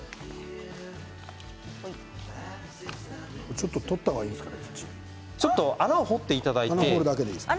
ちょっと取った方がいいですか？